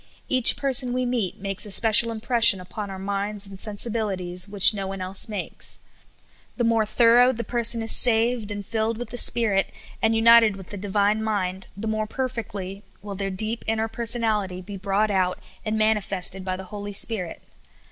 Kach per son we meet makes a special impression upon our minds and sensibilities which no one else makes. The more thorough the person is saved and filled with the Spirit, and united with the divine mind, the more per fectly will their deep inner personality be brought out and manifested by the Holy Spirit.